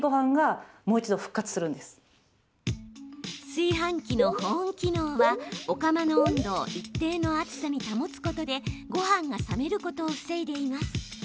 炊飯器の保温機能はお釜の温度を一定の熱さに保つことでごはんが冷めることを防いでいます。